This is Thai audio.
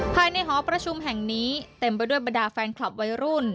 หอประชุมแห่งนี้เต็มไปด้วยบรรดาแฟนคลับวัยรุ่น